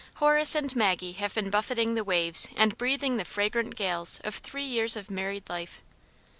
Horace and Maggie have been buffeting the waves and breathing the fragrant gales of three years of married life.